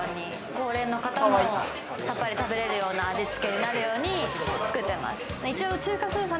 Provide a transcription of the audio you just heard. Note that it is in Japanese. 高齢の方もサッパリ食べれるような味付けになるように作ってます。